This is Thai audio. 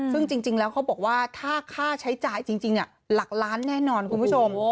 ซึ่งจริงแล้วเขาบอกว่าถ้าค่าใช้จ่ายจริงหลักล้านแน่นอนคุณผู้ชม